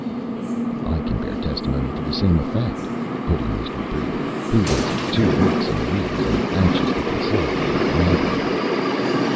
"I can bear testimony to the same effect," put in Mr. Brief, who was two weeks in arrears, and anxious to conciliate his landlady.